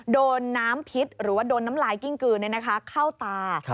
โดนน้ำพิษหรือว่าโดนน้ำลายกิ้งกลืนเข้าตา